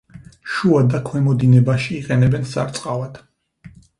შუა და ქვემო დინებაში იყენებენ სარწყავად.